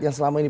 yang selama ini